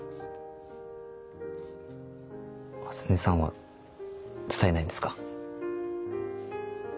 初音さんは伝えないんですか？